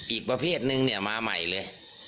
อีกประเภทนึงเนี่ยมาใหม่เลย